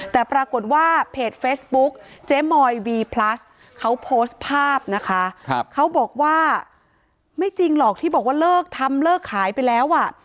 แต่ปรากฏว่าเพจเฟซบุ๊กเจ๊มอยวีพลัสเขาโพสต์ภาพนะคะเขาบอกว่าไม่จริงหรอกที่บอกว่าเลิกทำเลิกขายไปแล้วอ่ะ